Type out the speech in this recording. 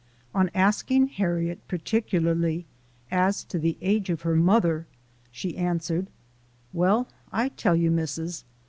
On asking Harriet particularly as to the age of her mother, she answered, "Well, I'll tell you, Mis sis.